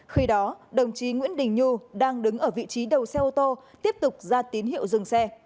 khi đó đồng chí nguyễn đình nhu đang đứng ở vị trí đầu xe ô tô tiếp tục ra tín hiệu dừng xe